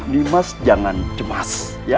nih mas jangan cemas ya